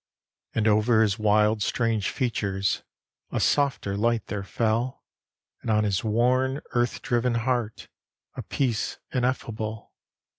And over his wild, strange features A softer light there fell, And on his worn, earth driven heart A peace ineffable.